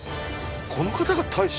この方が大使？